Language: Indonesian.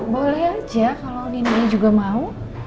boleh aja kalau ninonya juga mau